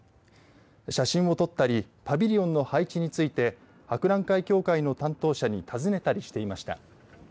写真を撮ったりパビリオンの配置について博覧会協会の担当者に尋ねたりしていました。